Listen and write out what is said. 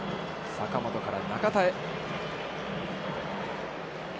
坂本から中田へ。